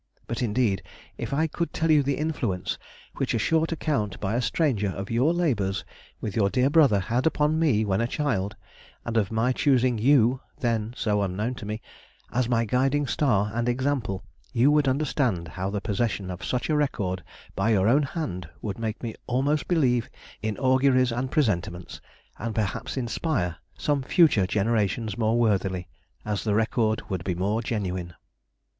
But indeed, if I could tell you the influence which a short account by a stranger of your labours with your dear Brother had upon me when a child, and of my choosing you (then so unknown to me) as my guiding star and example, you would understand how the possession of such a record by your own hand would make me almost believe in auguries and presentiments, and perhaps inspire some future generations more worthily, as the record would be more genuine."